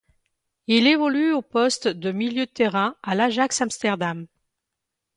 Il évolue au poste de milieu de terrain à l'Ajax Amsterdam.